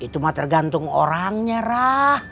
itu mata gantung orangnya rah